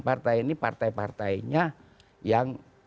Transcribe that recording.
partai ini partai partainya yang